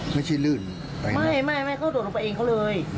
ไม่ใช่ลื่นไม่เค้าโดดลงไปเองเค้าเลย